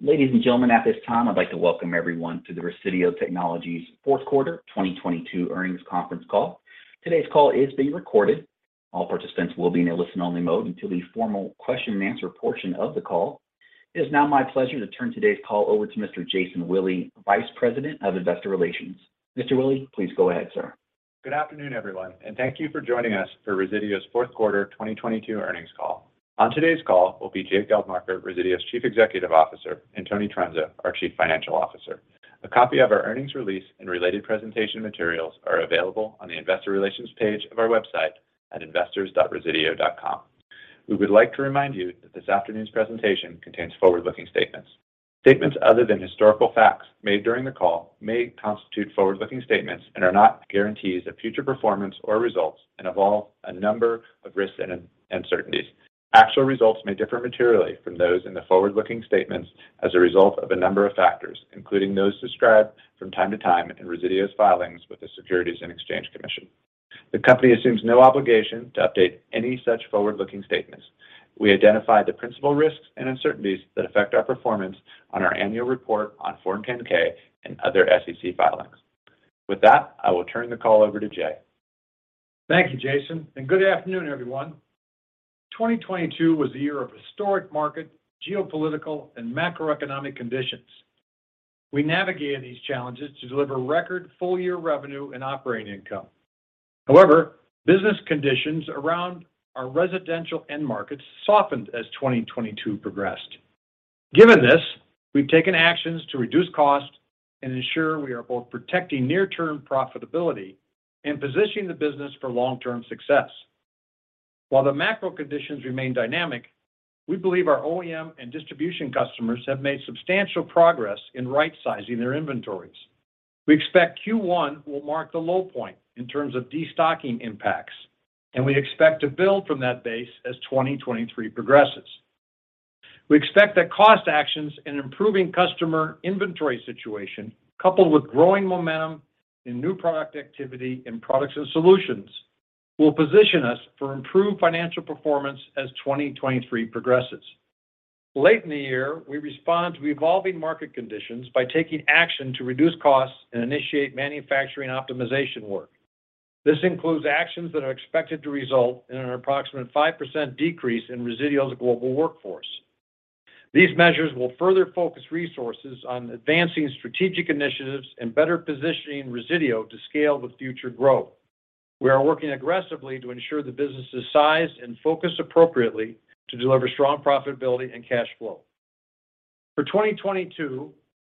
Ladies and gentlemen, at this time I'd like to welcome everyone to the Resideo Technologies fourth quarter 2022 earnings conference call. Today's call is being recorded. All participants will be in a listen-only mode until the formal question and answer portion of the call. It is now my pleasure to turn today's call over to Mr. Jason Willey, Vice President of Investor Relations. Mr. Willey, please go ahead, sir. Good afternoon, everyone. Thank you for joining us for Resideo's fourth quarter 2022 earnings call. On today's call will be Jay Geldmacher, Resideo's Chief Executive Officer, and Tony Trunzo, our Chief Financial Officer. A copy of our earnings release and related presentation materials are available on the investor relations page of our website at investors.resideo.com. We would like to remind you that this afternoon's presentation contains forward-looking statements. Statements other than historical facts made during the call may constitute forward-looking statements and are not guarantees of future performance or results and involve a number of risks and uncertainties. Actual results may differ materially from those in the forward-looking statements as a result of a number of factors, including those described from time to time in Resideo's filings with the Securities and Exchange Commission. The company assumes no obligation to update any such forward-looking statements. We identify the principal risks and uncertainties that affect our performance on our annual report on Form 10-K and other SEC filings. With that, I will turn the call over to Jay. Thank you, Jason, good afternoon, everyone. 2022 was a year of historic market, geopolitical, and macroeconomic conditions. We navigated these challenges to deliver record full-year revenue and operating income. Business conditions around our residential end markets softened as 2022 progressed. Given this, we've taken actions to reduce cost and ensure we are both protecting near-term profitability and positioning the business for long-term success. While the macro conditions remain dynamic, we believe our OEM and distribution customers have made substantial progress in rightsizing their inventories. We expect Q1 will mark the low point in terms of destocking impacts, and we expect to build from that base as 2023 progresses. We expect that cost actions and improving customer inventory situation, coupled with growing momentum in new product activity and Products & Solutions, will position us for improved financial performance as 2023 progresses. Late in the year, we respond to evolving market conditions by taking action to reduce costs and initiate manufacturing optimization work. This includes actions that are expected to result in an approximate 5% decrease in Resideo's global workforce. These measures will further focus resources on advancing strategic initiatives and better positioning Resideo to scale with future growth. We are working aggressively to ensure the business is sized and focused appropriately to deliver strong profitability and cash flow. For 2022,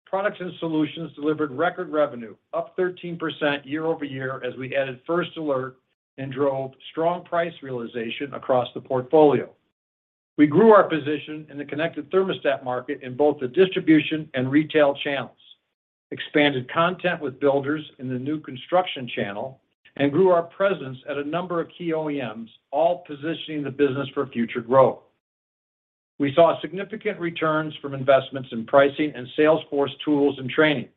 Products & Solutions delivered record revenue up 13% year-over-year as we added First Alert and drove strong price realization across the portfolio. We grew our position in the connected thermostat market in both the distribution and retail channels, expanded content with builders in the new construction channel, and grew our presence at a number of key OEMs, all positioning the business for future growth. We saw significant returns from investments in pricing and sales force tools and training.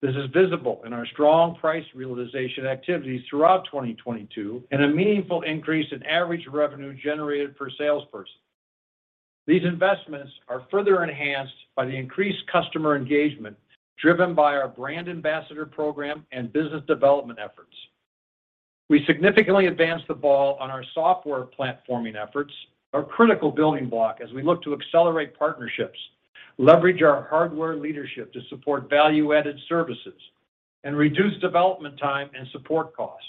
This is visible in our strong price realization activities throughout 2022 and a meaningful increase in average revenue generated per salesperson. These investments are further enhanced by the increased customer engagement driven by our brand ambassador program and business development efforts. We significantly advanced the ball on our software platforming efforts, a critical building block as we look to accelerate partnerships, leverage our hardware leadership to support value-added services, and reduce development time and support costs.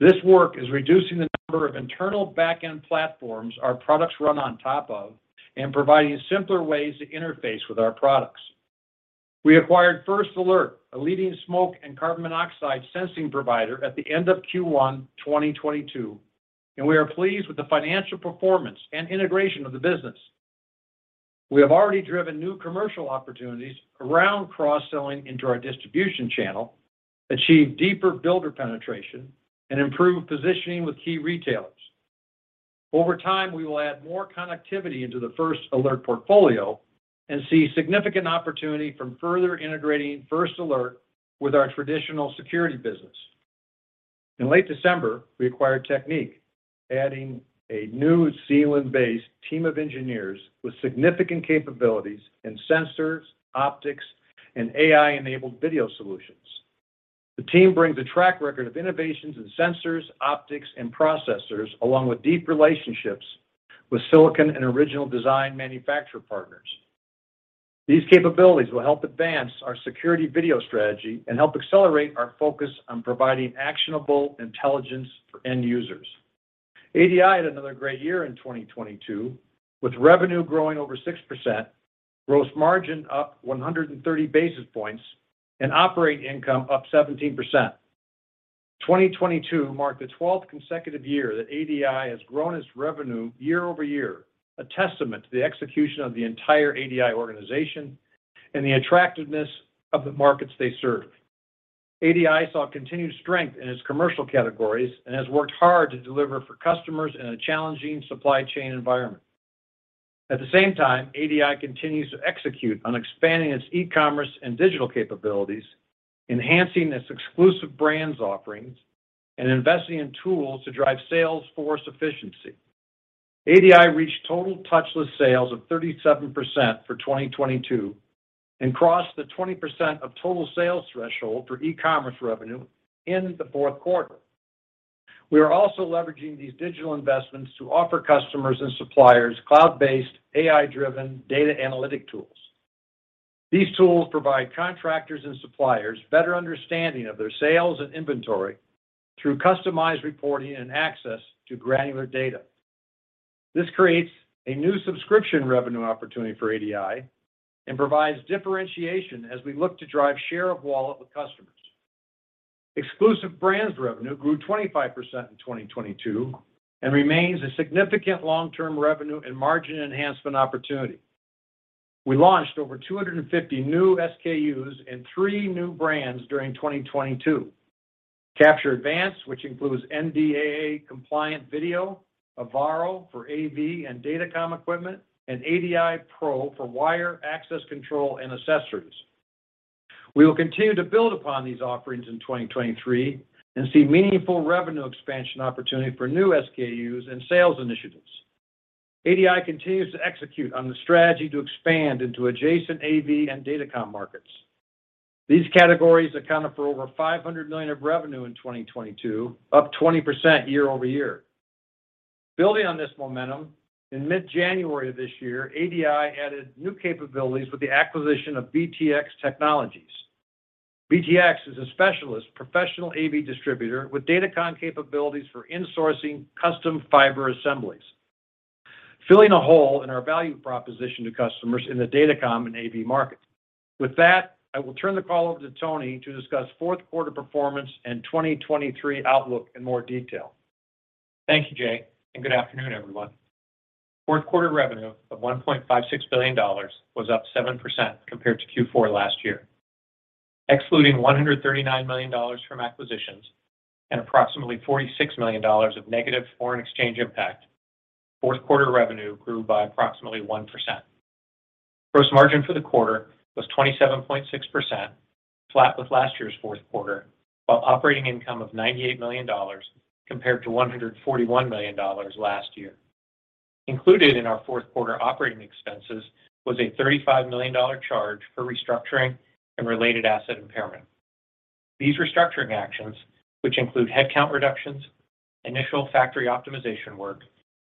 This work is reducing the number of internal back-end platforms our products run on top of and providing simpler ways to interface with our products. We acquired First Alert, a leading smoke and carbon monoxide sensing provider, at the end of Q1 2022. We are pleased with the financial performance and integration of the business. We have already driven new commercial opportunities around cross-selling into our distribution channel, achieved deeper builder penetration, and improved positioning with key retailers. Over time, we will add more connectivity into the First Alert portfolio and see significant opportunity from further integrating First Alert with our traditional security business. In late December, we acquired Teknique, adding a New Zealand-based team of engineers with significant capabilities in sensors, optics, and AI-enabled video solutions. The team brings a track record of innovations in sensors, optics, and processors, along with deep relationships with silicon and original design manufacturer partners. These capabilities will help advance our security video strategy and help accelerate our focus on providing actionable intelligence for end users. ADI had another great year in 2022, with revenue growing over 6%, gross margin up 130 basis points, and operating income up 17%. 2022 marked the 12th consecutive year that ADI has grown its revenue year-over-year, a testament to the execution of the entire ADI organization and the attractiveness of the markets they serve. ADI saw continued strength in its commercial categories and has worked hard to deliver for customers in a challenging supply chain environment. At the same time, ADI continues to execute on expanding its e-commerce and digital capabilities, enhancing its exclusive brands offerings and investing in tools to drive sales force efficiency. ADI reached total touchless sales of 37% for 2022 and crossed the 20% of total sales threshold for e-commerce revenue in the fourth quarter. We are also leveraging these digital investments to offer customers and suppliers cloud-based, AI-driven data analytic tools. These tools provide contractors and suppliers better understanding of their sales and inventory through customized reporting and access to granular data. This creates a new subscription revenue opportunity for ADI and provides differentiation as we look to drive share of wallet with customers. Exclusive brands revenue grew 25% in 2022 and remains a significant long-term revenue and margin enhancement opportunity. We launched over 250 new SKUs and three new brands during 2022. Capture Advance, which includes NDAA compliant video, AVARO for AV and Datacom equipment, and ADI Pro for wire access control and accessories. We will continue to build upon these offerings in 2023 and see meaningful revenue expansion opportunity for new SKUs and sales initiatives. ADI continues to execute on the strategy to expand into adjacent AV and Datacom markets. These categories accounted for over $500 million of revenue in 2022, up 20% year-over-year. Building on this momentum, in mid-January of this year, ADI added new capabilities with the acquisition of BTX Technologies. BTX is a specialist professional AV distributor with Datacom capabilities for insourcing custom fiber assemblies, filling a hole in our value proposition to customers in the Datacom and AV market. With that, I will turn the call over to Tony to discuss fourth quarter performance and 2023 outlook in more detail. Thank you, Jay. Good afternoon, everyone. Fourth quarter revenue of $1.56 billion was up 7% compared to Q4 last year. Excluding $139 million from acquisitions and approximately $46 million of negative foreign exchange impact, fourth quarter revenue grew by approximately 1%. Gross margin for the quarter was 27.6%, flat with last year's fourth quarter, while operating income of $98 million compared to $141 million last year. Included in our fourth quarter operating expenses was a $35 million charge for restructuring and related asset impairment. These restructuring actions, which include headcount reductions, initial factory optimization work,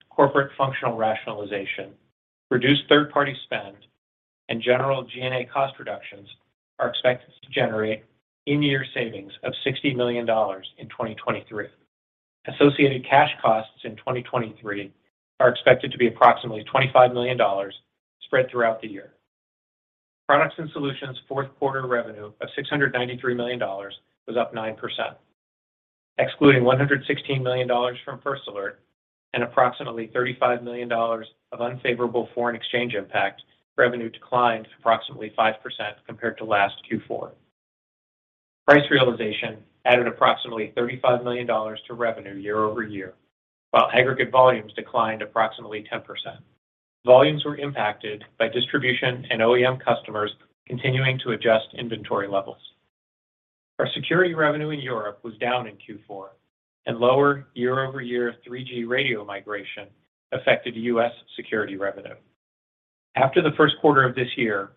corporate functional rationalization, reduced third-party spend, and general G&A cost reductions, are expected to generate in-year savings of $60 million in 2023. Associated cash costs in 2023 are expected to be approximately $25 million spread throughout the year. Products & Solutions' fourth quarter revenue of $693 million was up 9%. Excluding $116 million from First Alert and approximately $35 million of unfavorable foreign exchange impact, revenue declined approximately 5% compared to last Q4. Price realization added approximately $35 million to revenue year-over-year, while aggregate volumes declined approximately 10%. Volumes were impacted by distribution and OEM customers continuing to adjust inventory levels. Our security revenue in Europe was down in Q4, and lower year-over-year 3G radio migration affected U.S. security revenue. After the 1st quarter of this year,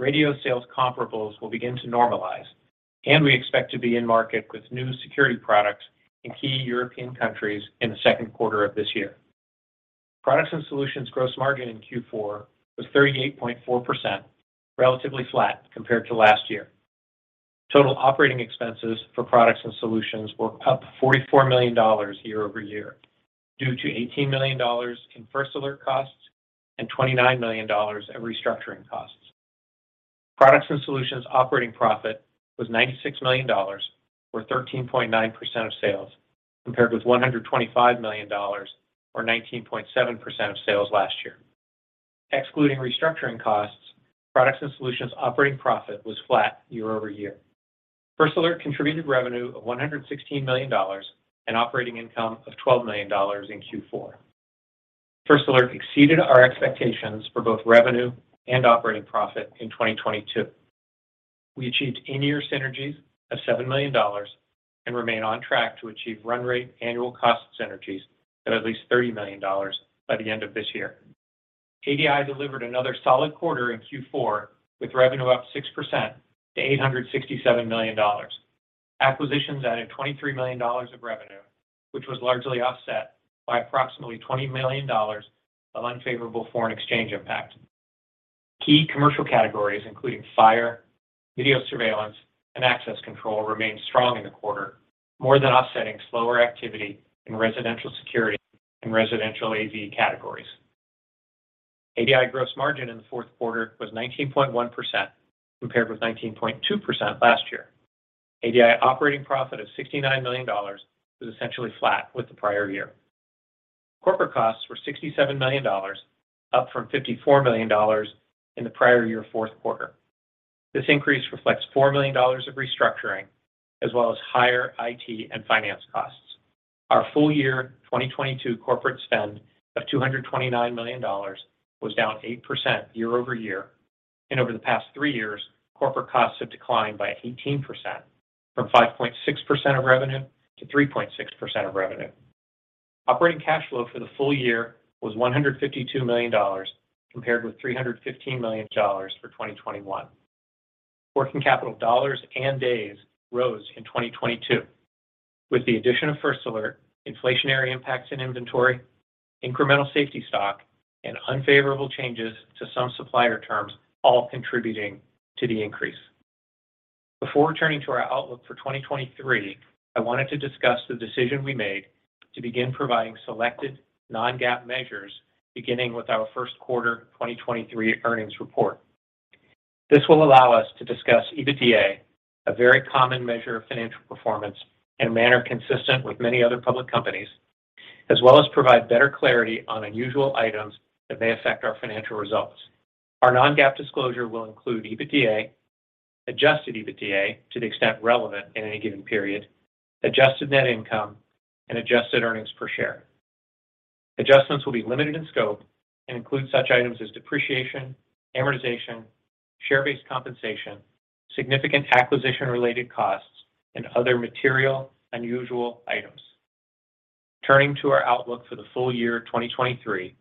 Resideo sales comparables will begin to normalize, and we expect to be in market with new security products in key European countries in the second quarter of this year. Products & Solutions gross margin in Q4 was 38.4%, relatively flat compared to last year. Total operating expenses for Products & Solutions were up $44 million year-over-year due to $18 million in First Alert costs and $29 million of restructuring costs. Products & Solutions operating profit was $96 million, or 13.9% of sales, compared with $125 million, or 19.7% of sales last year. Excluding restructuring costs, Products & Solutions operating profit was flat year-over-year. First Alert contributed revenue of $116 million and operating income of $12 million in Q4. First Alert exceeded our expectations for both revenue and operating profit in 2022. We achieved in-year synergies of $7 million and remain on track to achieve run rate annual cost synergies of at least $30 million by the end of this year. ADI delivered another solid quarter in Q4 with revenue up 6% to $867 million. Acquisitions added $23 million of revenue, which was largely offset by approximately $20 million of unfavorable foreign exchange impact. Key commercial categories, including fire, video surveillance, and access control, remained strong in the quarter, more than offsetting slower activity in residential security and residential AV categories. ADI gross margin in the fourth quarter was 19.1%, compared with 19.2% last year. ADI operating profit of $69 million was essentially flat with the prior year. Corporate costs were $67 million, up from $54 million in the prior year fourth quarter. This increase reflects $4 million of restructuring as well as higher IT and finance costs. Our full-year 2022 corporate spend of $229 million was down 8% year-over-year. Over the past three years, corporate costs have declined by 18% from 5.6% of revenue to 3.6% of revenue. Operating cash flow for the full-year was $152 million, compared with $315 million for 2021. Working capital dollars and days rose in 2022. With the addition of First Alert, inflationary impacts in inventory, incremental safety stock, and unfavorable changes to some supplier terms, all contributing to the increase. Before turning to our outlook for 2023, I wanted to discuss the decision we made to begin providing selected non-GAAP measures beginning with our Q1 2023 earnings report. This will allow us to discuss EBITDA, a very common measure of financial performance, in a manner consistent with many other public companies, as well as provide better clarity on unusual items that may affect our financial results. Our non-GAAP disclosure will include EBITDA, adjusted EBITDA to the extent relevant in any given period, adjusted net income, and adjusted earnings per share. Adjustments will be limited in scope and include such items as depreciation, amortization, share-based compensation, significant acquisition-related costs, and other material unusual items. Turning to our outlook for the full-year 2023,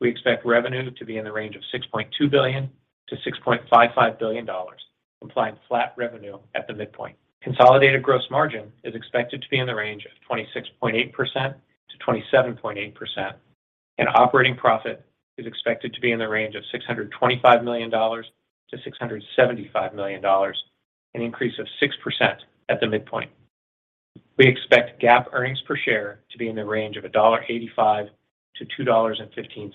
we expect revenue to be in the range of $6.2 billion-$6.55 billion, implying flat revenue at the midpoint. Consolidated gross margin is expected to be in the range of 26.8%-27.8%, and operating profit is expected to be in the range of $625 million-$675 million, an increase of 6% at the midpoint. We expect GAAP earnings per share to be in the range of $1.85-$2.15.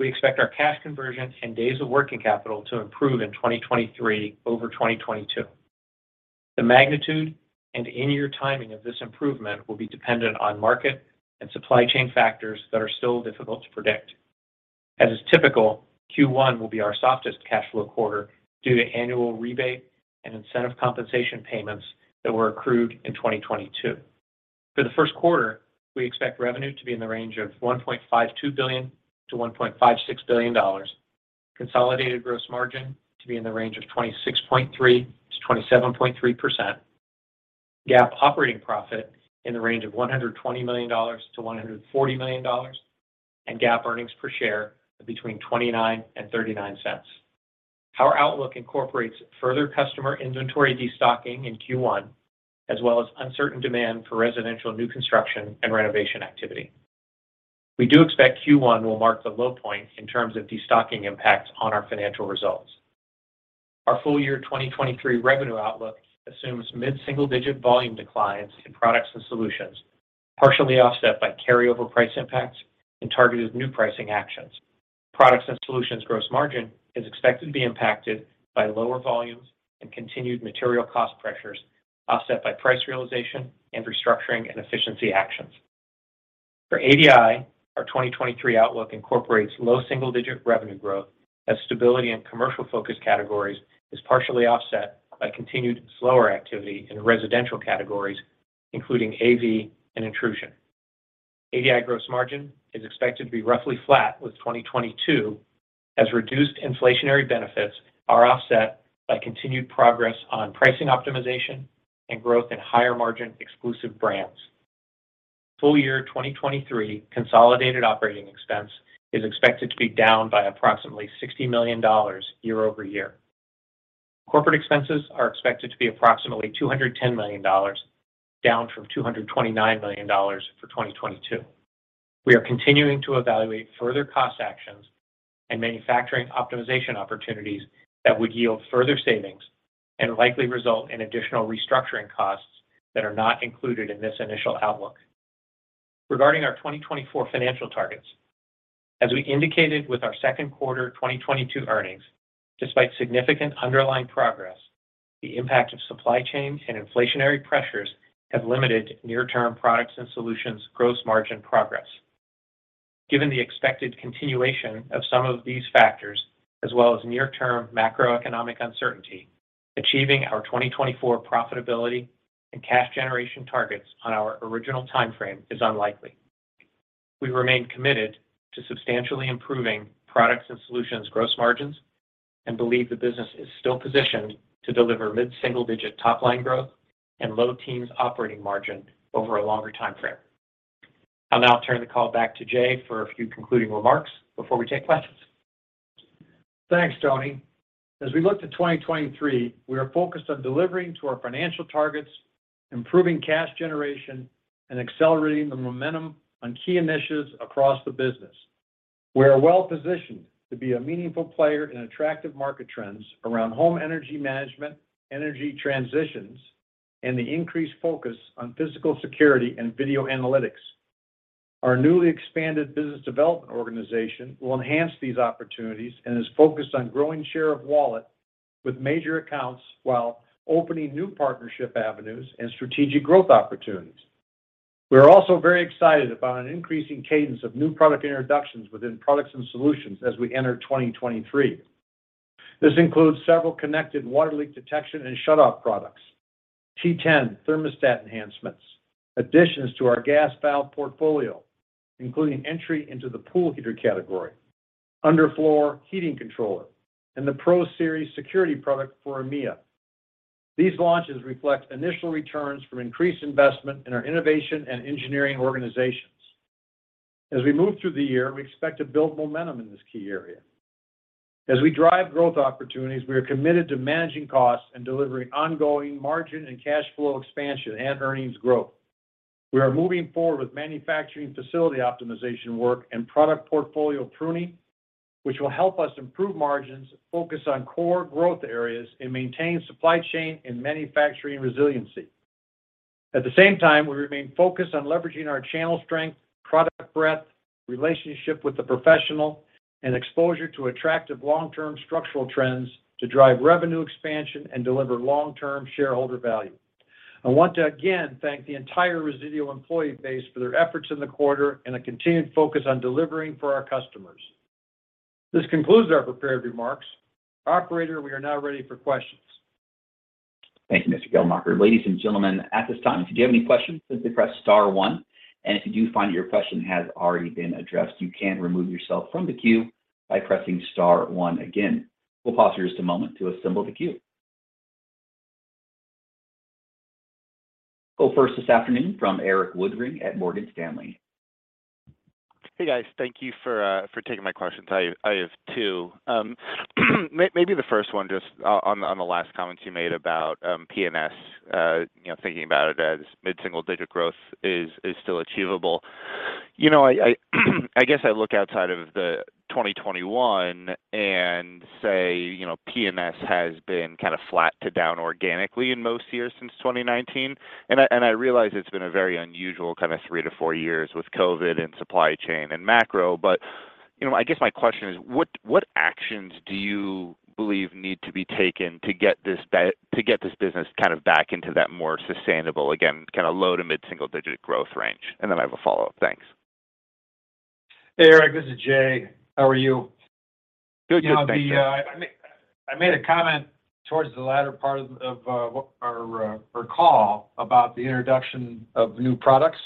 We expect our cash conversion and days of working capital to improve in 2023 over 2022. The magnitude and in-year timing of this improvement will be dependent on market and supply chain factors that are still difficult to predict. As is typical, Q1 will be our softest cash flow quarter due to annual rebate and incentive compensation payments that were accrued in 2022. For the first quarter, we expect revenue to be in the range of $1.52 billion-$1.56 billion, consolidated gross margin to be in the range of 26.3%-27.3%, GAAP operating profit in the range of $120 million-$140 million, and GAAP earnings per share between $0.29 and $0.39. Our outlook incorporates further customer inventory destocking in Q1, as well as uncertain demand for residential new construction and renovation activity. We do expect Q1 will mark the low point in terms of destocking impacts on our financial results. Our full-year 2023 revenue outlook assumes mid-single-digit volume declines in Products & Solutions, partially offset by carryover price impacts and targeted new pricing actions. Products & Solutions gross margin is expected to be impacted by lower volumes and continued material cost pressures, offset by price realization and restructuring and efficiency actions. For ADI, our 2023 outlook incorporates low single-digit revenue growth as stability in commercial focus categories is partially offset by continued slower activity in residential categories, including AV and intrusion. ADI gross margin is expected to be roughly flat with 2022, as reduced inflationary benefits are offset by continued progress on pricing optimization and growth in higher margin exclusive brands. full-year 2023 consolidated operating expense is expected to be down by approximately $60 million year-over-year. Corporate expenses are expected to be approximately $210 million, down from $229 million for 2022. We are continuing to evaluate further cost actions and manufacturing optimization opportunities that would yield further savings and likely result in additional restructuring costs that are not included in this initial outlook. Regarding our 2024 financial targets, as we indicated with our second quarter 2022 earnings, despite significant underlying progress, the impact of supply chain and inflationary pressures have limited near-term Products & Solutions gross margin progress. Given the expected continuation of some of these factors, as well as near-term macroeconomic uncertainty, achieving our 2024 profitability and cash generation targets on our original timeframe is unlikely. We remain committed to substantially improving Products & Solutions gross margins and believe the business is still positioned to deliver mid-single-digit top-line growth and low teens operating margin over a longer timeframe. I'll now turn the call back to Jay for a few concluding remarks before we take questions. Thanks, Tony. As we look to 2023, we are focused on delivering to our financial targets, improving cash generation, and accelerating the momentum on key initiatives across the business. We are well-positioned to be a meaningful player in attractive market trends around home energy management, energy transitions, and the increased focus on physical security and video analytics. Our newly expanded business development organization will enhance these opportunities and is focused on growing share of wallet with major accounts while opening new partnership avenues and strategic growth opportunities. We are also very excited about an increasing cadence of new product introductions within Products & Solutions as we enter 2023. This includes several connected water leak detection and shutoff products, T10 thermostat enhancements, additions to our gas valve portfolio, including entry into the pool heater category, underfloor heating controller, and the ProSeries security product for EMEA. These launches reflect initial returns from increased investment in our innovation and engineering organizations. As we move through the year, we expect to build momentum in this key area. As we drive growth opportunities, we are committed to managing costs and delivering ongoing margin and cash flow expansion and earnings growth. We are moving forward with manufacturing facility optimization work and product portfolio pruning, which will help us improve margins, focus on core growth areas, and maintain supply chain and manufacturing resiliency. At the same time, we remain focused on leveraging our channel strength, product breadth, relationship with the professional, and exposure to attractive long-term structural trends to drive revenue expansion and deliver long-term shareholder value. I want to again thank the entire Resideo employee base for their efforts in the quarter and a continued focus on delivering for our customers. This concludes our prepared remarks. Operator, we are now ready for questions. Thank you, Mr. Geldmacher. Ladies and gentlemen, at this time, if you do have any questions, please press star one. If you do find that your question has already been addressed, you can remove yourself from the queue by pressing star one again. We'll pause for just a moment to assemble the queue. We'll go first this afternoon from Erik Woodring at Morgan Stanley. Hey, guys. Thank you for taking my questions. I have two. Maybe the first one just on the last comments you made about P&S. You know, thinking about it as mid-single digit growth is still achievable. You know, I guess I look outside of the 2021 and say, you know, P&S has been kind of flat to down organically in most years since 2019. I realize it's been a very unusual kind of three to four years with COVID and supply chain and macro. You know, I guess my question is: What actions do you believe need to be taken to get this business kind of back into that more sustainable, again, kind of low to mid-single digit growth range? Then I have a follow-up. Thanks. Hey, Erik, this is Jay. How are you? Good, good. Thanks, Jay. You know, the I made a comment towards the latter part of our call about the introduction of new products,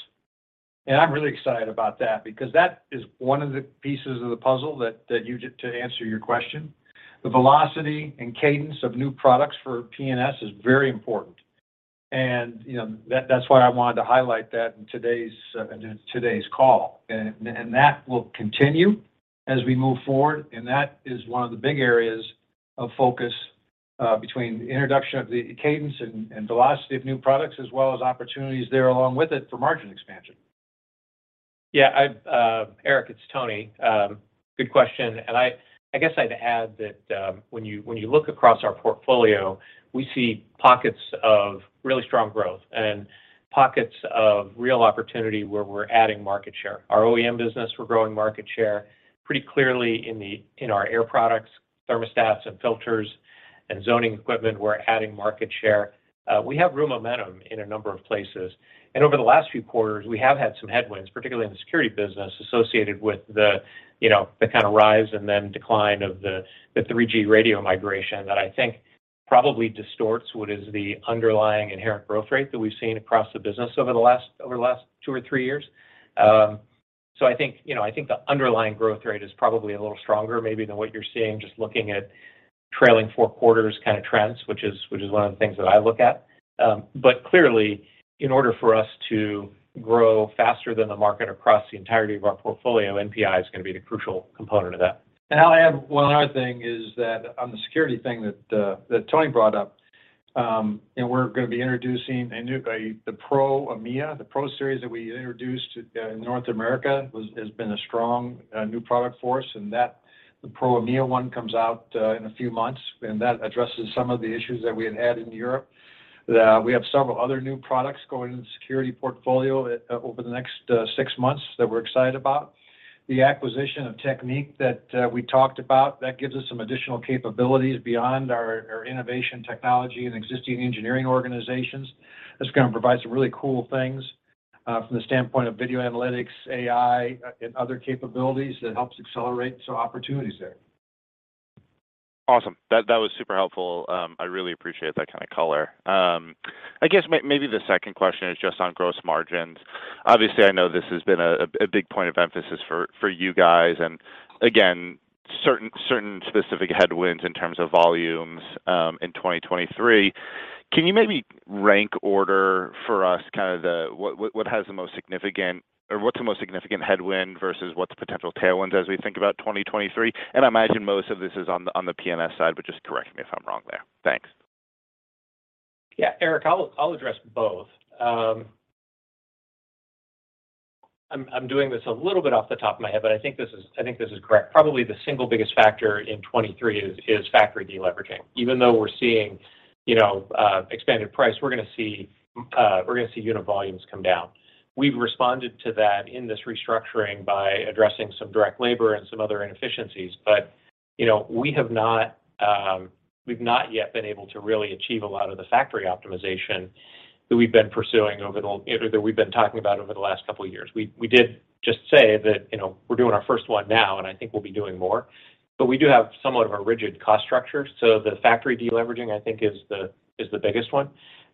and I'm really excited about that because that is one of the pieces of the puzzle that, you to answer your question. The velocity and cadence of new products for PNS is very important. You know, that's why I wanted to highlight that in today's call. That will continue as we move forward, and that is one of the big areas of focus between the introduction of the cadence and velocity of new products as well as opportunities there along with it for margin expansion. Yeah. Erik, it's Tony. Good question. I guess I'd add that when you look across our portfolio, we see pockets of really strong growth and pockets of real opportunity where we're adding market share. Our OEM business, we're growing market share pretty clearly in our air products, thermostats and filters and zoning equipment, we're adding market share. We have real momentum in a number of places. Over the last few quarters, we have had some headwinds, particularly in the security business associated with the, you know, the kind of rise and then decline of the 3G radio migration that I think probably distorts what is the underlying inherent growth rate that we've seen across the business over the last two or three years. I think, you know, I think the underlying growth rate is probably a little stronger maybe than what you're seeing just looking at trailing four quarters kind of trends, which is, which is one of the things that I look at. Clearly, in order for us to grow faster than the market across the entirety of our portfolio, NPI is gonna be the crucial component of that. I'll add one other thing is that on the security thing that Tony brought up. We're gonna be introducing the ProSeries EMEA. The ProSeries that we introduced in North America has been a strong new product for us, the ProSeries EMEA one comes out in a few months. That addresses some of the issues that we had in Europe. We have several other new products going in the security portfolio over the next six months that we're excited about. The acquisition of Teknique that we talked about, that gives us some additional capabilities beyond our innovation technology and existing engineering organizations. That's gonna provide some really cool things from the standpoint of video analytics, AI, and other capabilities that helps accelerate some opportunities there. Awesome. That was super helpful. I really appreciate that kind of color. I guess maybe the second question is just on gross margins. Obviously, I know this has been a big point of emphasis for you guys. Again, certain specific headwinds in terms of volumes in 2023. Can you maybe rank order for us kind of the what has the most significant or what's the most significant headwind versus what's the potential tailwinds as we think about 2023? I imagine most of this is on the PNS side, but just correct me if I'm wrong there. Thanks. Yeah, Erik, I'll address both. I'm doing this a little bit off the top of my head, but I think this is correct. Probably the single biggest factor in 2023 is factory deleveraging. Even though we're seeing, you know, expanded price, we're gonna see unit volumes come down. We've responded to that in this restructuring by addressing some direct labor and some other inefficiencies. You know, we have not, we've not yet been able to really achieve a lot of the factory optimization that we've been pursuing over the last couple of years. We did just say that, you know, we're doing our first one now, and I think we'll be doing more. We do have somewhat of a rigid cost structure. The factory deleveraging, I think, is the biggest one.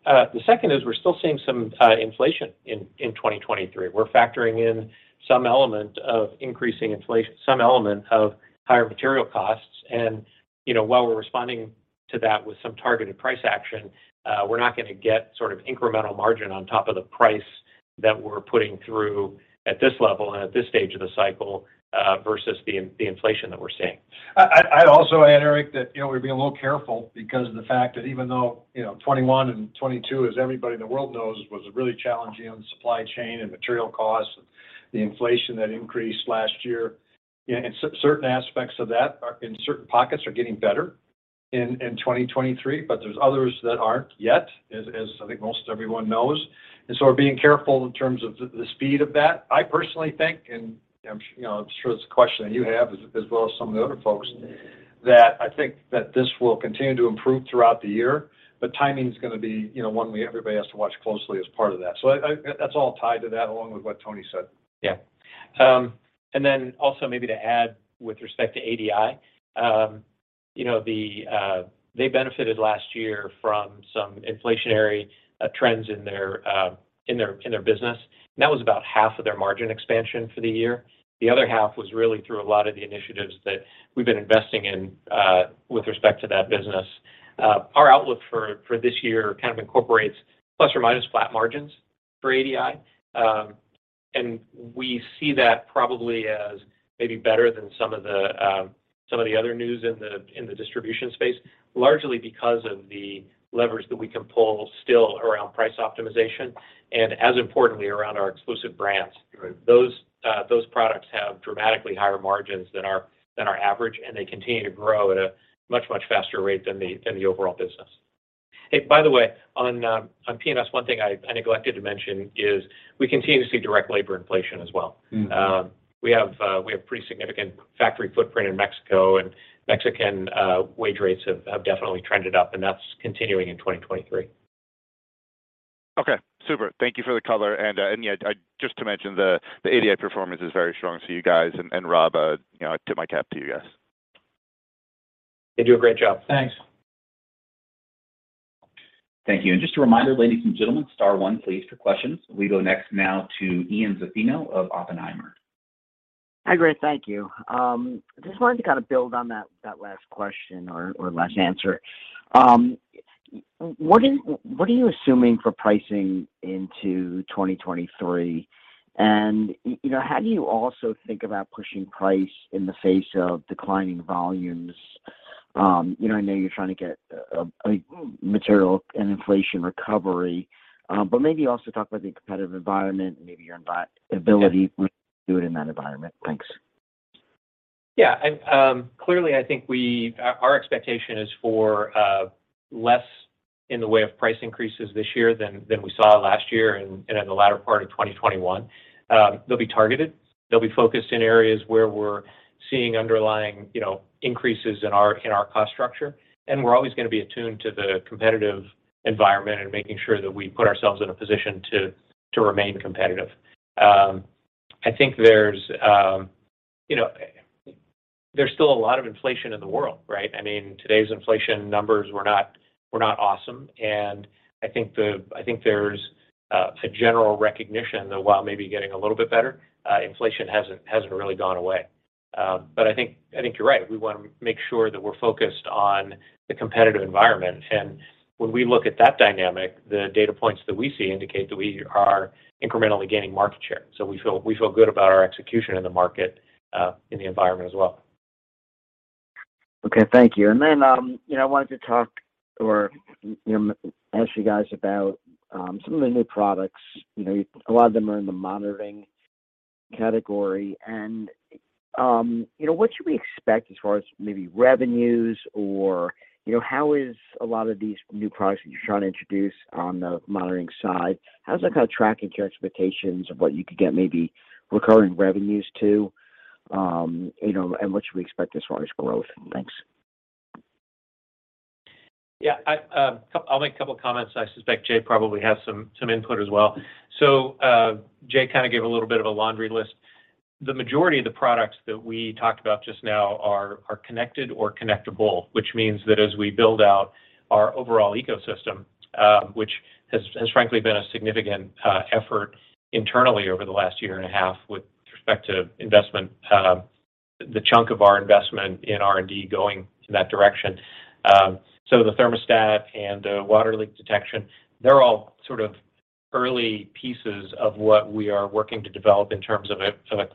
The second is we're still seeing some inflation in 2023. We're factoring in some element of increasing inflation, some element of higher material costs. You know, while we're responding to that with some targeted price action, we're not gonna get sort of incremental margin on top of the price that we're putting through at this level and at this stage of the cycle, versus the inflation that we're seeing. I'd also add, Erik, that, you know, we're being a little careful because of the fact that even though, you know, 2021 and 2022, as everybody in the world knows, was really challenging on supply chain and material costs and the inflation that increased last year. Yeah, certain aspects of that are in certain pockets are getting better in 2023, but there's others that aren't yet, as I think most everyone knows. We're being careful in terms of the speed of that. I personally think, and you know, I'm sure it's a question that you have as well as some of the other folks, that I think that this will continue to improve throughout the year, but timing is gonna be, you know, one we everybody has to watch closely as part of that. That's all tied to that along with what Tony said. Yeah. Then also maybe to add with respect to ADI, you know, they benefited last year from some inflationary trends in their business. That was about half of their margin expansion for the year. The other half was really through a lot of the initiatives that we've been investing in with respect to that business. Our outlook for this year kind of incorporates ± flat margins for ADI. We see that probably as maybe better than some of the other news in the distribution space, largely because of the leverage that we can pull still around price optimization and as importantly, around our exclusive brands. Right. Those products have dramatically higher margins than our average, and they continue to grow at a much, much faster rate than the overall business. Hey, by the way, on P&S, one thing I neglected to mention is we continue to see direct labor inflation as well. Mm. We have pretty significant factory footprint in Mexico. Mexican wage rates have definitely trended up, and that's continuing in 2023. Okay, super. Thank you for the color. Yeah, just to mention the ADI performance is very strong. You guys and Rob, you know, I tip my cap to you guys. They do a great job. Thanks. Thank you. Just a reminder, ladies and gentlemen, star one, please, for questions. We go next now to Ian Zaffino of Oppenheimer. Hi, great. Thank you. I just wanted to kind of build on that last question or last answer. What are you assuming for pricing into 2023? You know, how do you also think about pushing price in the face of declining volumes? You know, I know you're trying to get a material and inflation recovery, but maybe also talk about the competitive environment and maybe your ability to do it in that environment. Thanks. Yeah. Clearly, I think our expectation is for less in the way of price increases this year than we saw last year and in the latter part of 2021. They'll be targeted. They'll be focused in areas where we're seeing underlying, you know, increases in our cost structure. We're always gonna be attuned to the competitive environment and making sure that we put ourselves in a position to remain competitive. I think there's, you know, there's still a lot of inflation in the world, right? I mean, today's inflation numbers were not awesome. I think there's a general recognition that while maybe getting a little bit better, inflation hasn't really gone away. I think you're right. We wanna make sure that we're focused on the competitive environment. When we look at that dynamic, the data points that we see indicate that we are incrementally gaining market share. We feel good about our execution in the market, in the environment as well. Okay. Thank you. Then, you know, I wanted to talk or, you know, ask you guys about some of the new products. You know, a lot of them are in the monitoring category. What should we expect as far as maybe revenues or, you know, how is a lot of these new products that you're trying to introduce on the monitoring side? How's that kind of tracking to your expectations of what you could get maybe recurring revenues to? You know, and what should we expect as far as growth? Thanks. Yeah. I'll make a couple of comments. I suspect Jay probably has some input as well. Jay kind of gave a little bit of a laundry list. The majority of the products that we talked about just now are connected or connectable, which means that as we build out our overall ecosystem, which has frankly been a significant effort internally over the last year and a half with respect to investment, the chunk of our investment in R&D going in that direction. The thermostat and the water leak detection, they're all sort of early pieces of what we are working to develop in terms of a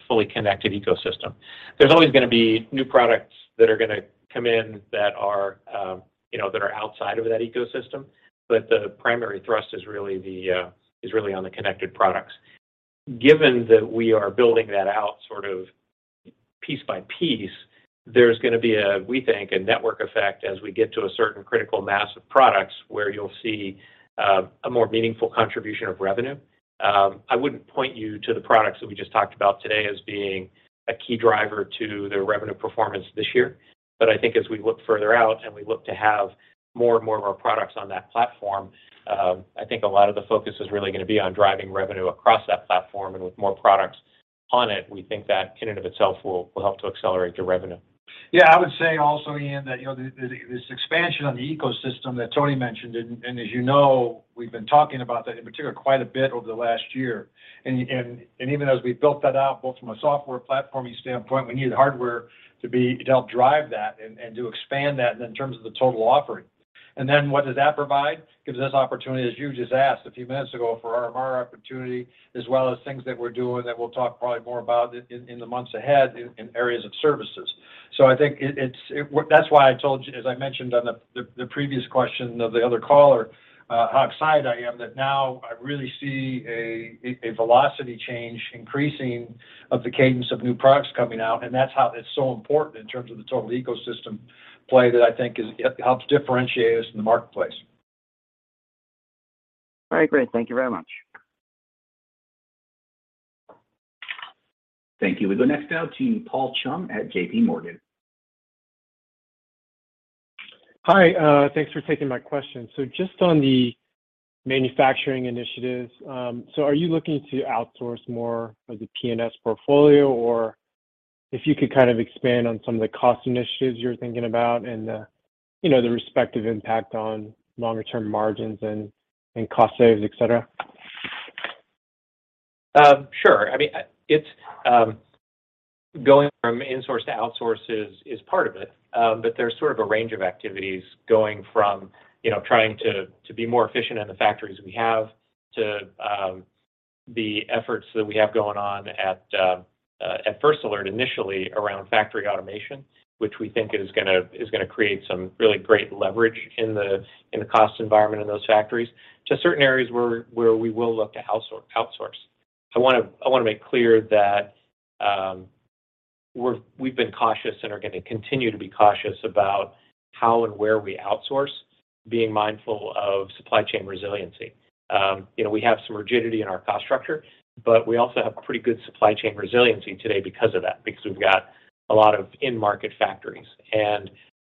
fully connected ecosystem. There's always gonna be new products that are gonna come in that are, you know, that are outside of that ecosystem. The primary thrust is really on the connected products. Given that we are building that out sort of piece by piece, there's gonna be a, we think, a network effect as we get to a certain critical mass of products where you'll see a more meaningful contribution of revenue. I wouldn't point you to the products that we just talked about today as being a key driver to the revenue performance this year. I think as we look further out and we look to have more and more of our products on that platform, I think a lot of the focus is really gonna be on driving revenue across that platform. With more products on it, we think that in and of itself will help to accelerate the revenue. Yeah. I would say also, Ian, that, you know, this expansion on the ecosystem that Tony mentioned and as you know, we've been talking about that in particular quite a bit over the last year. Even as we built that out, both from a software platforming standpoint, we need the hardware to help drive that and to expand that and in terms of the total offering. What does that provide? Gives us opportunity, as you just asked a few minutes ago, for RMR opportunity, as well as things that we're doing that we'll talk probably more about in the months ahead in areas of services. I think it's, That's why I told you, as I mentioned on the previous question of the other caller, how excited I am that now I really see a velocity change increasing of the cadence of new products coming out. That's how it's so important in terms of the total ecosystem play that I think is, helps differentiate us in the marketplace. All right, great. Thank you very much. Thank you. We go next out to Paul Chung at JPMorgan. Hi, thanks for taking my question. Just on the manufacturing initiatives, so are you looking to outsource more of the P&S portfolio? Or if you could kind of expand on some of the cost initiatives you're thinking about and, you know, the respective impact on longer term margins and cost saves, et cetera. Sure. I mean, it's going from insource to outsource is part of it. There's sort of a range of activities going from, you know, trying to be more efficient in the factories we have, to the efforts that we have going on at First Alert initially around factory automation, which we think is gonna create some really great leverage in the cost environment in those factories, to certain areas where we will look to outsource. I wanna make clear that we've been cautious and are gonna continue to be cautious about how and where we outsource, being mindful of supply chain resiliency. you know, we have some rigidity in our cost structure, but we also have pretty good supply chain resiliency today because of that, because we've got a lot of in-market factories.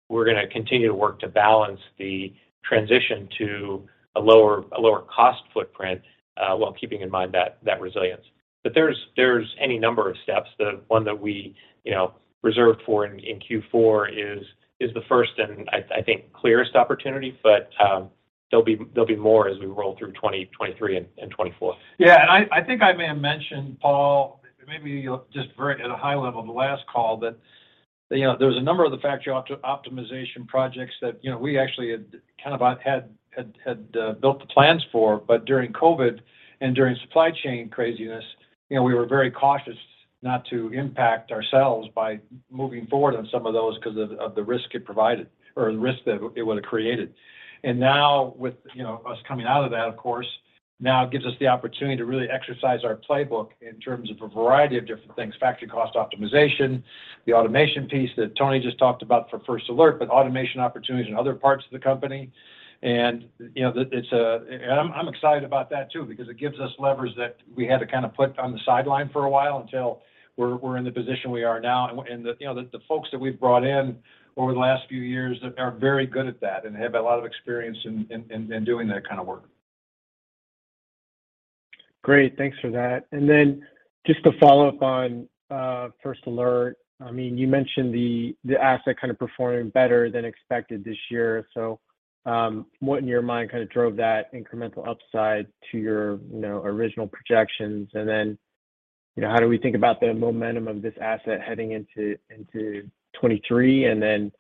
We're gonna continue to work to balance the transition to a lower, a lower cost footprint, while keeping in mind that resilience. There's any number of steps. The one that we, you know, reserved for in Q4 is the first and I think clearest opportunity. There'll be more as we roll through 2023 and 2024. Yeah. I think I may have mentioned, Paul, maybe just very at a high level the last call that, you know, there was a number of the factory opt-optimization projects that, you know, we actually had kind of had built the plans for. During COVID and during supply chain craziness, you know, we were very cautious not to impact ourselves by moving forward on some of those 'cause of the risk it provided or the risk that it would have created. Now with, you know, us coming out of that, of course, now gives us the opportunity to really exercise our playbook in terms of a variety of different things. Factory cost optimization, the automation piece that Tony just talked about for First Alert, but automation opportunities in other parts of the company. You know, I'm excited about that too because it gives us levers that we had to kind of put on the sideline for a while until we're in the position we are now. You know, the folks that we've brought in over the last few years are very good at that and have a lot of experience in doing that kind of work. Great. Thanks for that. Just to follow up on First Alert, I mean, you mentioned the asset kind of performing better than expected this year. What in your mind kind of drove that incremental upside to your, you know, original projections? You know, how do we think about the momentum of this asset heading into 2023?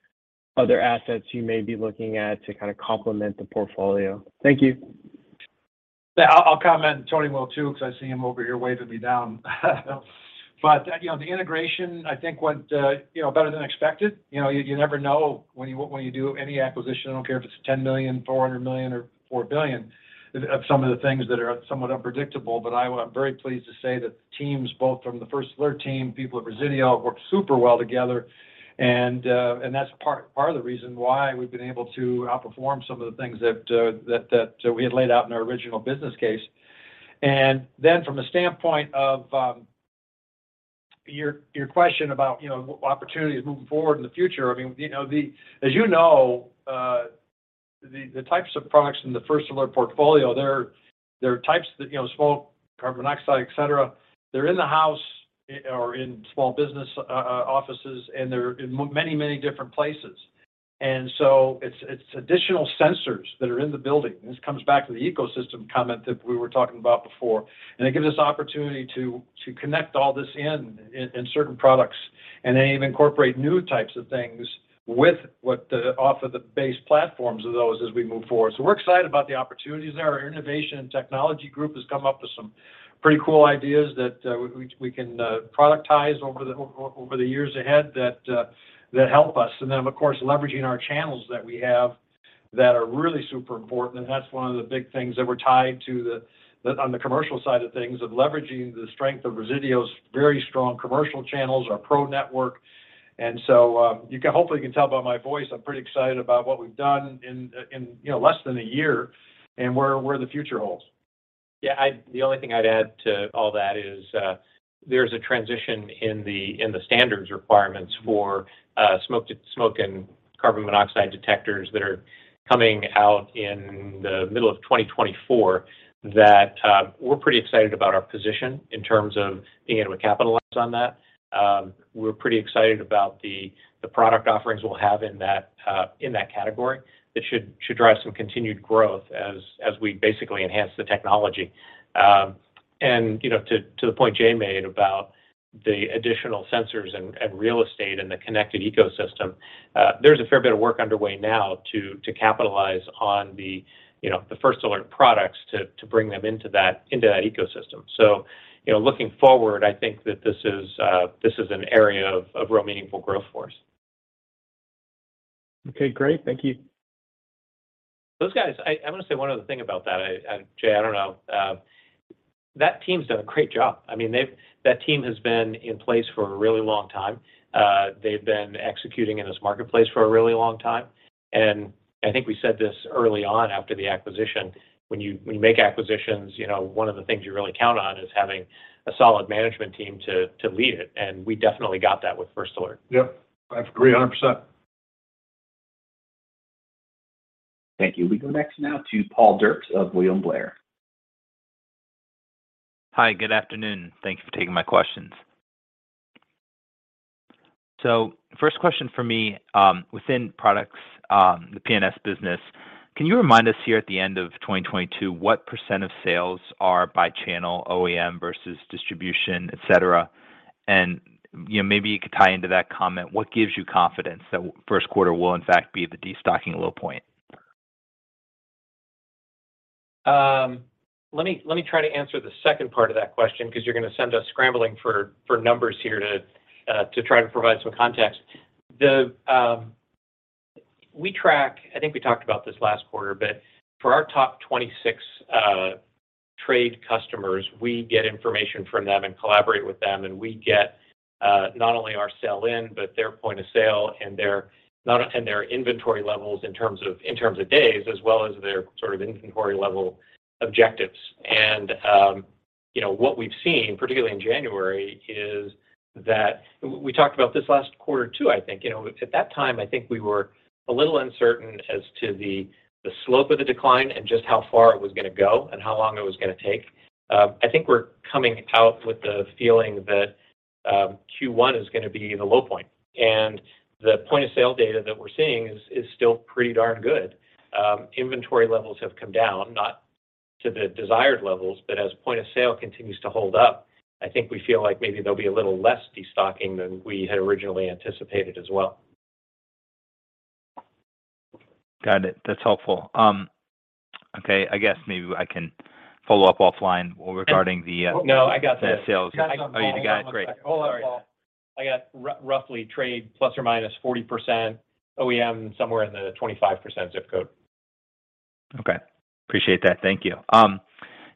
Other assets you may be looking at to kind of complement the portfolio. Thank you. Yeah. I'll comment, Tony will too, 'cause I see him over here waving me down. You know, the integration, I think what, you know, better than expected, you never know when you do any acquisition, I don't care if it's $10 million, $400 million or $4 billion of some of the things that are somewhat unpredictable. I'm very pleased to say that teams both from the First Alert team, people at Resideo have worked super well together and that's part of the reason why we've been able to outperform some of the things that we had laid out in our original business case. From the standpoint of your question about, you know, opportunities moving forward in the future. I mean, you know, the, As you know, the types of products in the First Alert portfolio, they're types that, you know, smoke carbon monoxide, et cetera, they're in the house or in small business offices, and they're in many, many different places. It's additional sensors that are in the building. This comes back to the ecosystem comment that we were talking about before. It gives us opportunity to connect all this in certain products and then even incorporate new types of things off of the base platforms of those as we move forward. We're excited about the opportunities there. Our innovation and technology group has come up with some pretty cool ideas that we can productize over the years ahead that help us. Of course, leveraging our channels that we have that are really super important, that's one of the big things that we're tied to the commercial side of things, of leveraging the strength of Resideo's very strong commercial channels, our Pro network. You can hopefully can tell by my voice, I'm pretty excited about what we've done in, you know, less than a year and where the future holds. Yeah, the only thing I'd add to all that is, there's a transition in the, in the standards requirements for, smoke and carbon monoxide detectors that are coming out in the middle of 2024 that, we're pretty excited about our position in terms of being able to capitalize on that. We're pretty excited about the product offerings we'll have in that, in that category that should drive some continued growth as we basically enhance the technology. You know, to the point Jay Geldmacher made about the additional sensors and real estate in the connected ecosystem, there's a fair bit of work underway now to capitalize on the, you know, the First Alert products to bring them into that, into that ecosystem. You know, looking forward, I think that this is an area of real meaningful growth for us. Okay, great. Thank you. Those guys, I wanna say one other thing about that. Jay, I don't know, that team's done a great job. I mean, that team has been in place for a really long time. They've been executing in this marketplace for a really long time. I think we said this early on after the acquisition, when you, when you make acquisitions, you know, one of the things you really count on is having a solid management team to lead it, and we definitely got that with First Alert. Yep. I have to agree 100%. Thank you. We go next now to Paul Dircks of William Blair. Hi, good afternoon. Thank you for taking my questions. First question from me, within products, the P&S business, can you remind us here at the end of 2022 what percent of sales are by channel OEM versus distribution, etc? You know, maybe you could tie into that comment, what gives you confidence that first quarter will in fact be the destocking low point? Let me try to answer the second part of that question 'cause you're gonna send us scrambling for numbers here to try to provide some context. We track, I think we talked about this last quarter, but for our top 26 trade customers, we get information from them and collaborate with them, and we get not only our sell in, but their point of sale and their inventory levels in terms of days, as well as their sort of inventory level objectives. You know, what we've seen, particularly in January, is that we talked about this last quarter too, I think. You know, at that time, I think we were a little uncertain as to the slope of the decline and just how far it was going to go and how long it was going to take. I think we are coming out with the feeling that Q1 is going to be the low point. The point of sale data that we are seeing is still pretty darn good. Inventory levels have come down, not to the desired levels, but as point of sale continues to hold up, I think we feel like maybe there will be a little less destocking than we had originally anticipated as well. Got it. That's helpful. Okay. I guess maybe I can follow up offline regarding the. No, I got this. the sales. Oh, you got it. Great. Hold on, Paul. I got roughly trade plus or minus 40% OEM, somewhere in the 25% zip code. Okay. Appreciate that. Thank you.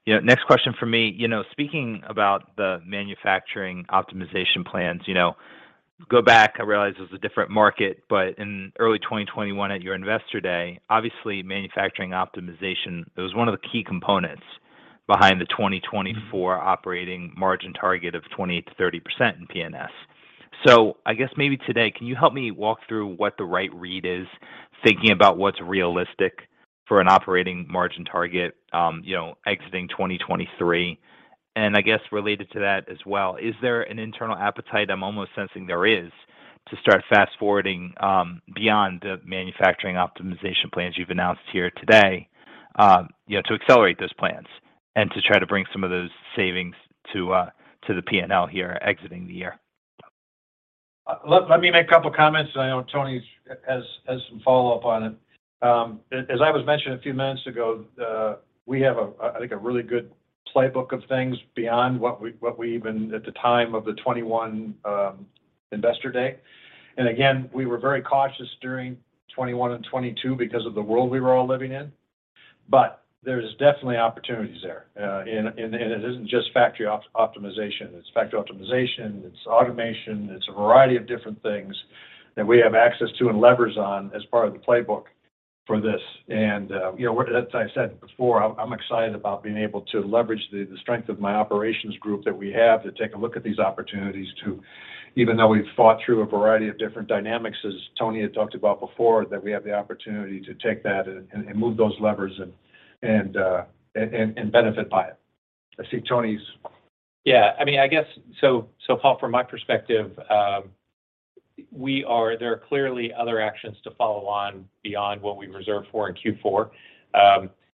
You know, next question from me. You know, speaking about the manufacturing optimization plans, you know, go back, I realize it was a different market, but in early 2021 at your Investor Day, obviously manufacturing optimization, it was one of the key components behind the 2024 operating margin target of 20%-30% in PNS. I guess maybe today, can you help me walk through what the right read is, thinking about what's realistic for an operating margin target, you know, exiting 2023? I guess related to that as well, is there an internal appetite, I'm almost sensing there is, to start fast-forwarding, beyond the manufacturing optimization plans you've announced here today, you know, to accelerate those plans and to try to bring some of those savings to the P&L here exiting the year? Let me make a couple comments, and I know Tony has some follow-up on it. As I was mentioning a few minutes ago, we have a, I think, a really good playbook of things beyond what we even at the time of the 2021 Investor Day. Again, we were very cautious during 2021 and 2022 because of the world we were all living in. There's definitely opportunities there. And it isn't just factory optimization. It's factory optimization, it's automation, it's a variety of different things that we have access to and levers on as part of the playbook for this. You know, as I said before, I'm excited about being able to leverage the strength of my operations group that we have to take a look at these opportunities to, Even though we've thought through a variety of different dynamics, as Tony had talked about before, that we have the opportunity to take that and move those levers and benefit by it. Paul, from my perspective, there are clearly other actions to follow on beyond what we reserved for in Q4.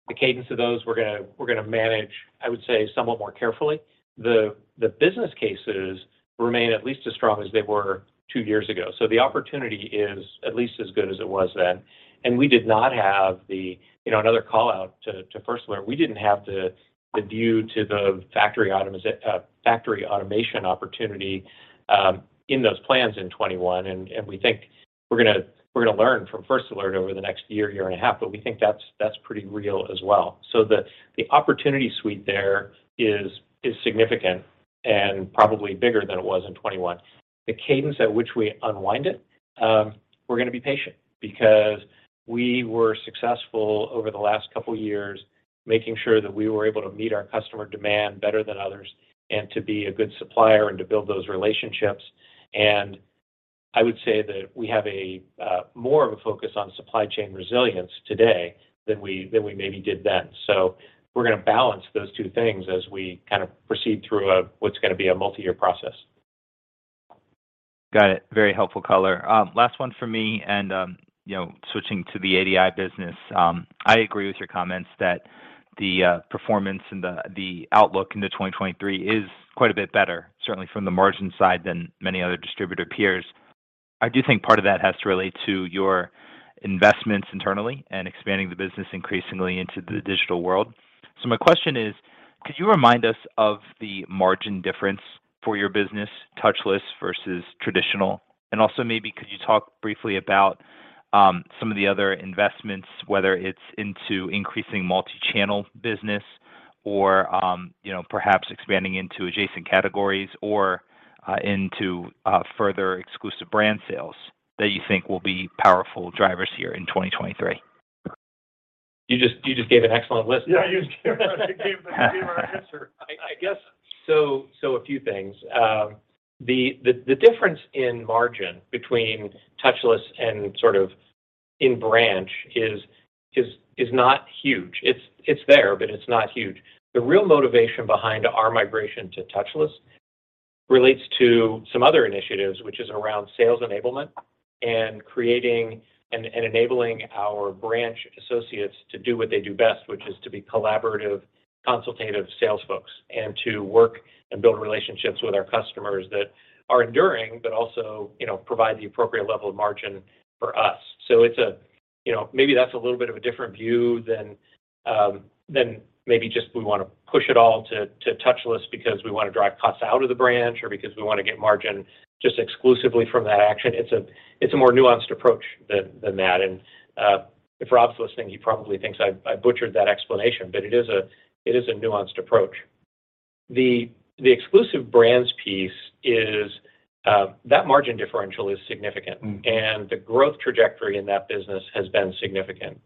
The cadence of those, we're gonna manage, I would say, somewhat more carefully. The business cases remain at least as strong as they were two years ago. The opportunity is at least as good as it was then. We did not have the, you know, another call-out to First Alert, we didn't have the view to the factory automation opportunity in those plans in 2021. We think we're gonna learn from First Alert over the next year and a half, but we think that's pretty real as well. The opportunity suite there is significant and probably bigger than it was in 2021. The cadence at which we unwind it, we're gonna be patient because we were successful over the last couple years making sure that we were able to meet our customer demand better than others and to be a good supplier and to build those relationships. I would say that we have more of a focus on supply chain resilience today than we maybe did then. We're gonna balance those two things as we kind of proceed through what's gonna be a multi-year process. Got it. Very helpful color. You know, switching to the ADI business. I agree with your comments that the performance and the the outlook into 2023 is quite a bit better, certainly from the margin side, than many other distributor peers. I do think part of that has to relate to your investments internally and expanding the business increasingly into the digital world. My question is, could you remind us of the margin difference for your business, touchless versus traditional? Also maybe could you talk briefly about, some of the other investments, whether it's into increasing multichannel business or, you know, perhaps expanding into adjacent categories or, into, further exclusive brand sales that you think will be powerful drivers here in 2023? You just gave an excellent list. Yeah. You gave our answer. I guess so, a few things. The difference in margin between touchless and sort of in branch is not huge. It's there, but it's not huge. The real motivation behind our migration to touchless relates to some other initiatives, which is around sales enablement and creating and enabling our branch associates to do what they do best, which is to be collaborative, consultative sales folks, and to work and build relationships with our customers that are enduring, but also, you know, provide the appropriate level of margin for us. You know, maybe that's a little bit of a different view than maybe just we wanna push it all to touchless because we wanna drive costs out of the branch or because we wanna get margin just exclusively from that action. It's a more nuanced approach than that. If Rob's listening, he probably thinks I butchered that explanation. It is a nuanced approach. The exclusive brands piece is that margin differential is significant. Mm. The growth trajectory in that business has been significant.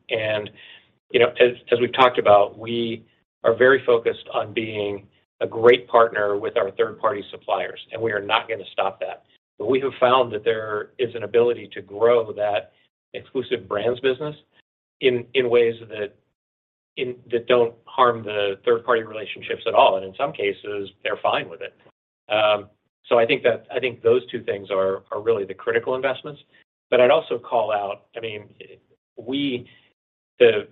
You know, as we've talked about, we are very focused on being a great partner with our third-party suppliers, and we are not gonna stop that. We have found that there is an ability to grow that exclusive brands business in ways that don't harm the third-party relationships at all, and in some cases, they're fine with it. I think those two things are really the critical investments. I'd also call out, I mean, we, the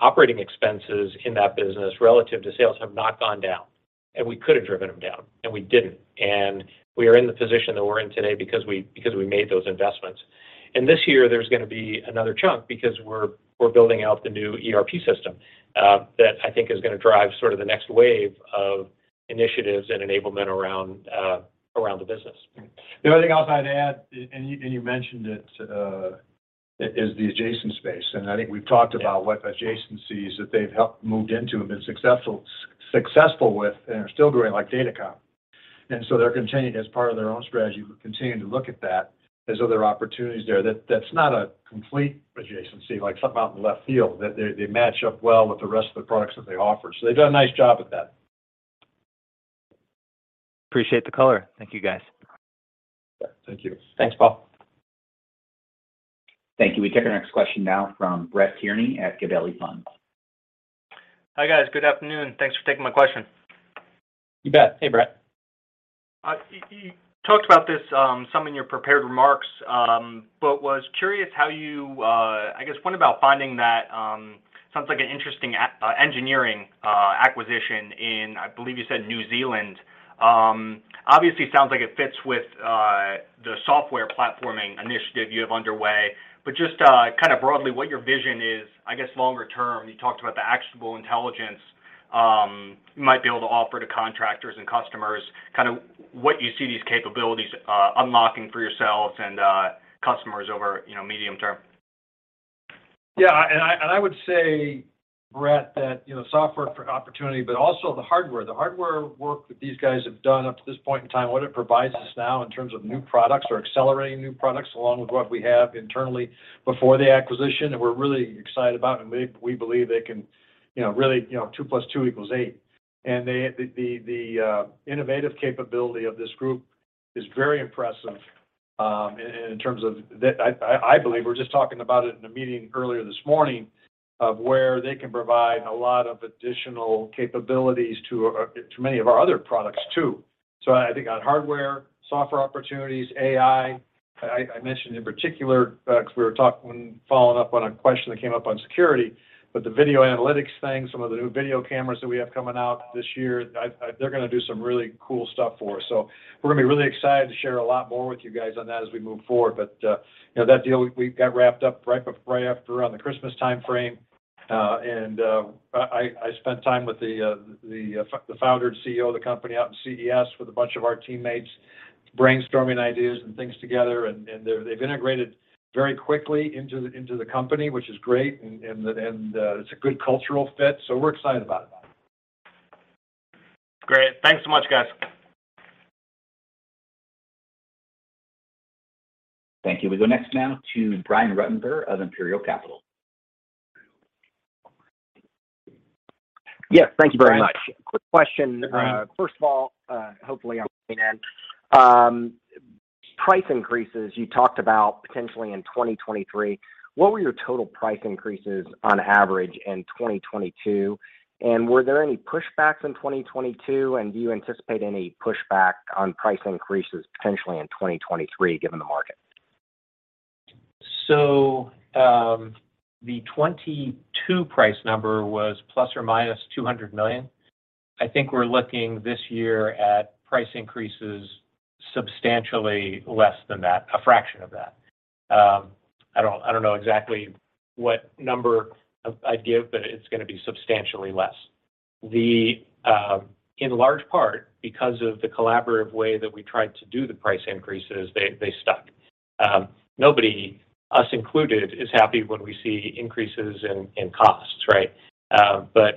operating expenses in that business relative to sales have not gone down. We could have driven them down, and we didn't. We are in the position that we're in today because we made those investments. This year, there's gonna be another chunk because we're building out the new ERP system, that I think is gonna drive sort of the next wave of initiatives and enablement around the business. The only thing else I'd add, and you mentioned it, is the adjacent space, and I think we've. Yeah what adjacencies that they've helped moved into and been successful with and are still growing, like Datacom. They're continuing as part of their own strategy. We're continuing to look at that. There's other opportunities there that's not a complete adjacency, like something out in the left field, that they match up well with the rest of the products that they offer. They've done a nice job with that. Appreciate the color. Thank you, guys. Thank you. Thanks, Paul. Thank you. We take our next question now from Brett Kearney at Gabelli Funds. Hi, guys. Good afternoon. Thanks for taking my question. You bet. Hey, Brett. You talked about this, some in your prepared remarks, was curious how you, I guess one, about finding that, sounds like an interesting engineering acquisition in, I believe you said New Zealand, obviously sounds like it fits with the software platforming initiative you have underway, just, kind of broadly what your vision is, I guess longer term, you talked about the actionable intelligence, you might be able to offer to contractors and customers, kind of what you see these capabilities, unlocking for yourselves and customers over, you know, medium term? I would say, Brett, that, you know, software opportunity, but also the hardware. The hardware work that these guys have done up to this point in time, what it provides us now in terms of new products or accelerating new products, along with what we have internally before the acquisition, we believe they're really excited about. We believe they can, you know, really, you know, two plus two equals eight. The innovative capability of this group is very impressive, in terms of the. I believe we're just talking about it in a meeting earlier this morning of where they can provide a lot of additional capabilities to many of our other products too. I think on hardware, software opportunities, AI, I mentioned in particular, 'cause we were talking, following up on a question that came up on security, but the video analytics thing, some of the new video cameras that we have coming out this year. They're gonna do some really cool stuff for us. We're gonna be really excited to share a lot more with you guys on that as we move forward. You know, that deal we got wrapped up right after around the Christmas timeframe. I spent time with the founder and CEO of the company out in CES with a bunch of our teammates. Brainstorming ideas and things together, and they've integrated very quickly into the company, which is great. It's a good cultural fit, so we're excited about it. Great. Thanks so much, guys. Thank you. We go next now to Brian Ruttenbur of Imperial Capital. Yes, thank you very much. Hi, Brian. Quick question. First of all, hopefully I'm price increases, you talked about potentially in 2023. What were your total price increases on average in 2022, and were there any pushbacks in 2022, and do you anticipate any pushback on price increases potentially in 2023 given the market? The 2022 price number was ±$200 million. I think we're looking this year at price increases substantially less than that, a fraction of that. I don't, I don't know exactly what number I'd give, but it's gonna be substantially less. In large part, because of the collaborative way that we tried to do the price increases, they stuck. Nobody, us included, is happy when we see increases in costs, right?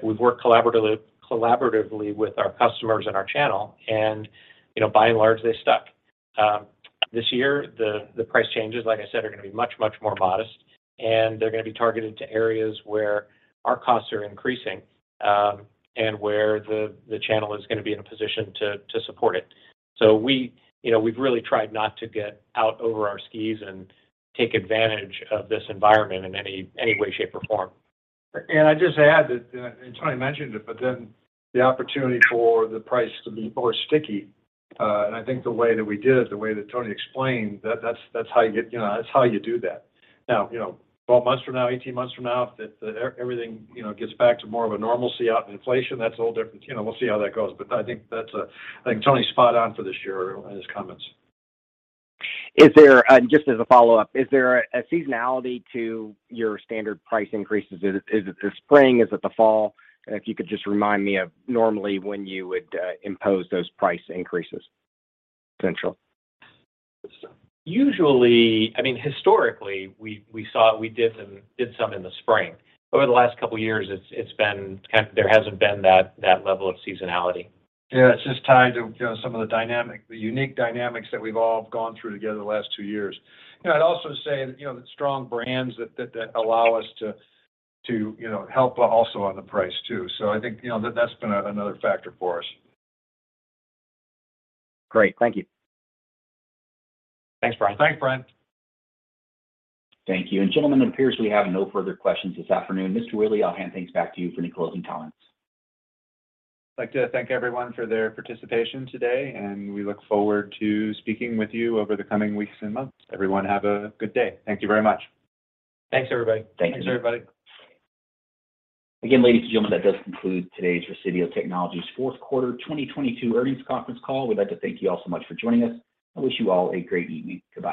We've worked collaboratively with our customers and our channel and, you know, by and large, they stuck. This year, the price changes, like I said, are gonna be much more modest, and they're gonna be targeted to areas where our costs are increasing, and where the channel is gonna be in a position to support it. We, you know, we've really tried not to get out over our skis and take advantage of this environment in any way, shape, or form. I'd just add that, and Tony mentioned it, but then the opportunity for the price to be more sticky, and I think the way that we did it, the way that Tony explained, that's, that's how you get, you know, that's how you do that. Now, you know, 12 months from now, 18 months from now, everything, you know, gets back to more of a normalcy out in inflation, that's a whole different. You know, we'll see how that goes. I think that's a, I think Tony's spot on for this year in his comments. Is there, just as a follow-up, is there a seasonality to your standard price increases? Is it the spring? Is it the fall? If you could just remind me of normally when you would, impose those price increases potential? Usually, I mean, historically, we saw we did some in the spring. Over the last couple years, it's been kind of there hasn't been that level of seasonality. Yeah, it's just tied to, you know, some of the dynamic, the unique dynamics that we've all gone through together the last two years. You know, I'd also say that, you know, the strong brands that allow us to, you know, help also on the price too. I think, you know, that's been another factor for us. Great. Thank you. Thanks, Brian. Thanks, Brian. Thank you. gentlemen, it appears we have no further questions this afternoon. Mr. Willey, I'll hand things back to you for any closing comments. I'd like to thank everyone for their participation today, and we look forward to speaking with you over the coming weeks and months. Everyone, have a good day. Thank you very much. Thanks, everybody. Thanks, everybody. Again, ladies and gentlemen, that does conclude today's Resideo Technologies fourth quarter 2022 earnings conference call. We'd like to thank you all so much for joining us and wish you all a great evening. Goodbye.